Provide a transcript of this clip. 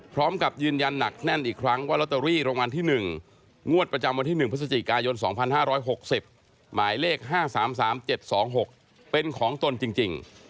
พร้อมกับยืนยันหนักแน่นอีกครั้งว่าลอตเตอรี่รางวัลที่๑งวดประจำวันที่๑พฤศจิกายน๒๕๖๐หมายเลข๕๓๓๗๒๖เป็นของตนจริง